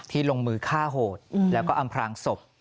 ลงมือฆ่าโหดแล้วก็อำพลางศพ